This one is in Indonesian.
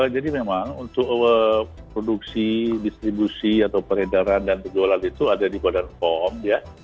memang untuk produksi distribusi atau peredaran dan penjualan itu ada di badan pom ya